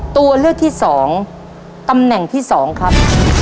ตัวเลือกที่๒ตำแหน่งที่๒ครับ